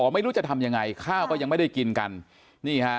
ไม่รู้จะทำยังไงข้าวก็ยังไม่ได้กินกันนี่ฮะ